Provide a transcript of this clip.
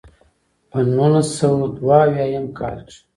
پۀ نولس سوه دوه اويا يم کال کښې